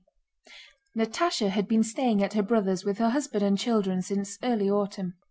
Natásha had been staying at her brother's with her husband and children since early autumn.